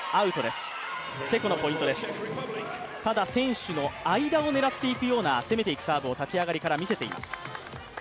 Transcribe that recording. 選手の間を狙っていくような攻めていくサーブを立ち上がりから見せています。